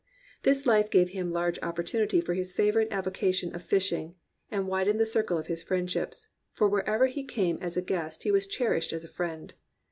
This life gave him large op portunity for his favourite avocation of fishing, and widened the circle of his friendships, for wherever he came as a guest he was cherished as a friend.